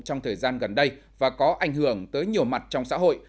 trong thời gian gần đây và có ảnh hưởng tới nhiều mặt trong xã hội